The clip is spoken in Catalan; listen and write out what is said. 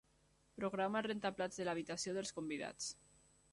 Programa el rentaplats de l'habitació dels convidats.